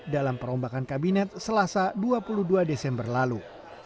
dalam perombakan kabinet selasa dua puluh dua desember lalu